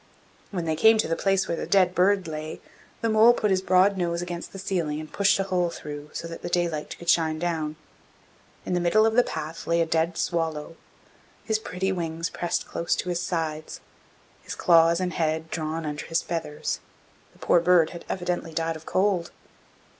When they came to the place where the dead bird lay, the mole put his broad nose against the ceiling and pushed a hole through, so that the daylight could shine down. In the middle of the path lay a dead swallow, his pretty wings pressed close to his sides, his claws and head drawn under his feathers; the poor bird had evidently died of cold.